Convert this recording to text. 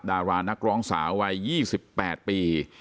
ดารานักร้องสาววัย๒๘ปี